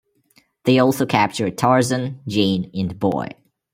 They also capture Tarzan, Jane, and Boy.